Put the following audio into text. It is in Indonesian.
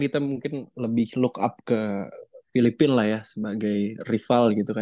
yang kayaknya gak ada gitu